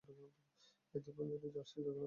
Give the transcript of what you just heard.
এই দ্বীপপুঞ্জটি জার্সির দক্ষিণে অবস্থিত।